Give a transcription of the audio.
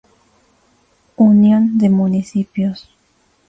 Unión de Municipios